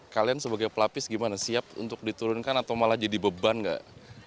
kalian sebagai pelapis gimana siap untuk diturunkan atau malah jadi beban nggak